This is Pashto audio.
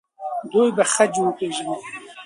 دوی به خج وپیژني.